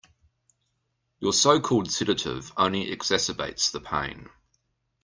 Your so-called sedative only exacerbates the pain.